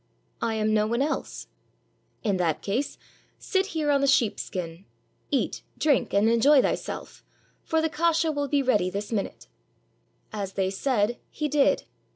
"I am no one else." "In that case, sit here on the sheepskin; eat, drink, and enjoy thyself, for the kasha will be ready this minute." As they said, he did.